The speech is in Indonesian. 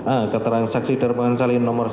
a keterangan saksi darpangan salin nomor satu dua belas